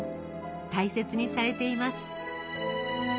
大切にされています。